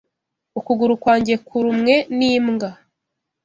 Ukuguru kwanjye kurumwe n'imbwa.